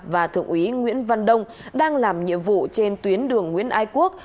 và thượng úy nguyễn văn đông đang làm nhiệm vụ trên tuyến đường nguyễn ái quốc